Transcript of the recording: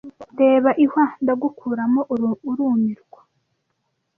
reba ihwa ndagukuramo urumirwa